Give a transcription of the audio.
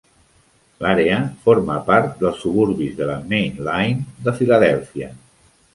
L'àrea forma part dels suburbis de la Main Line de Philadelphia.